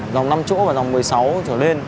dòng năm chỗ và dòng một mươi sáu trở lên